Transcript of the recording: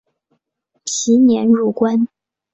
其年入关。